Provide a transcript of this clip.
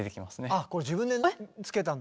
あっこれ自分で付けたんだ。